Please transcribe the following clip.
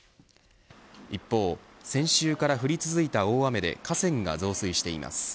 一方、先週から降り続いた大雨で河川が増水しています